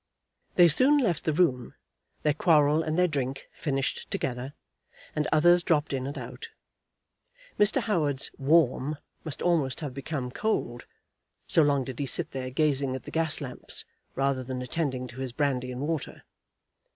They soon left the room, their quarrel and their drink finished together, and others dropped in and out. Mr. Howard's "warm" must almost have become cold, so long did he sit there, gazing at the gas lamps rather than attending to his brandy and water.